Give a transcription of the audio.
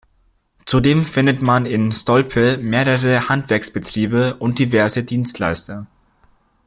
Zudem findet man in Stolpe mehrere Handwerksbetriebe und diverse Dienstleister.